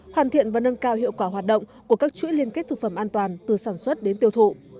hoàn thiện và nâng cao hiệu quả hoạt động của các chuỗi liên kết thực phẩm an toàn từ sản xuất đến tiêu thụ